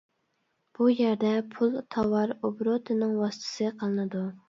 بۇ يەردە پۇل تاۋار ئوبوروتىنىڭ ۋاسىتىسى قىلىنىدۇ.